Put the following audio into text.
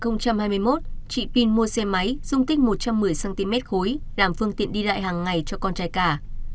năm hai nghìn hai mươi một chị pin mua xe máy dung tích một trăm một mươi cm khối làm phương tiện đi lại hàng ngày cho con trai cả